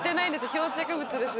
漂着物です。